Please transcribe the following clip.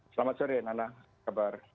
selamat sore nana kabar